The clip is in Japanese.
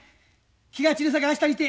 気が散るさかい明日にして。